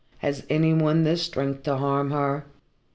Has any one the strength to harm her?